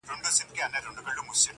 د درد پېټی دي را نیم که چي یې واخلم,